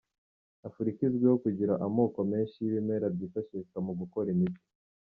Afurika izwiho kugira amoko menshi y’ibimera byifashishwa mu gukora imiti.